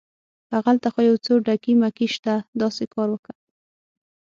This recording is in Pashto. هغلته خو یو څه ډکي مکي شته، داسې کار وکه.